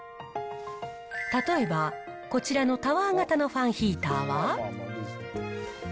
例えば、こちらのタワー型のファンヒーターは。